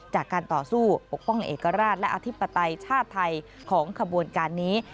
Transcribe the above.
จากการต่อสู้ปกป้องเอกราชและอธิปไตยชาติไทยของขบวนการนี้